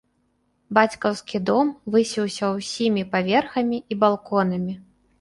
Бацькаўскі дом высіўся ўсімі паверхамі і балконамі.